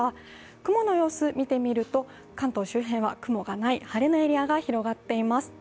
雲の様子を見てみると、関東周辺は雲がない晴れのエリアが比嘉っています。